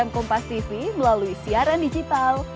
kayak apa sebenarnya undang undang